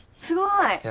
すごい。